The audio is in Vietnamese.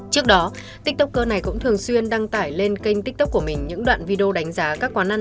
trước đó tiktoker này cũng thường xuyên đăng tải lên kênh tiktok của mình những đoạn video đánh giá các quán ăn